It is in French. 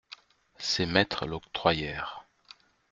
Ses maîtres l'octroyèrent.